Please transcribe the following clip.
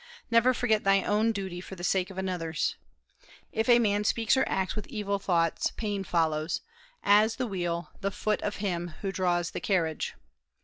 Never forget thy own duty for the sake of another's.... If a man speaks or acts with evil thoughts pain follows, as the wheel the foot of him who draws the carriage....